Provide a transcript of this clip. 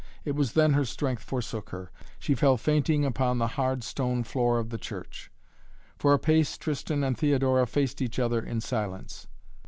It was then her strength forsook her. She fell fainting upon the hard stone floor of the church. For a pace Tristan and Theodora faced each other in silence.